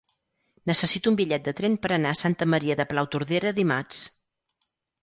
Necessito un bitllet de tren per anar a Santa Maria de Palautordera dimarts.